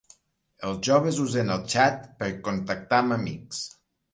Els joves usen el xat per contactar amb amics.